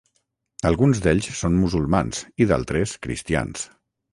Alguns d'ells són musulmans i d'altres cristians.